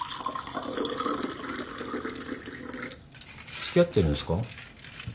付き合ってるんすか？